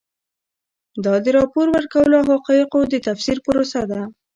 دا د راپور ورکولو او حقایقو د تفسیر پروسه ده.